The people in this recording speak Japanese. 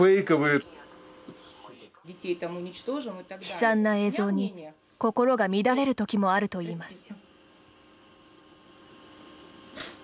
悲惨な映像に心が乱れるときもあるといいます。